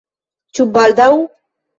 Ĉu baldaŭ?